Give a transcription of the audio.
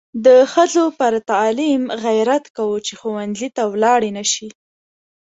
د ښځو پر تعلیم غیرت کوو چې ښوونځي ته ولاړې نشي.